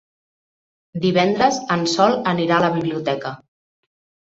Divendres en Sol anirà a la biblioteca.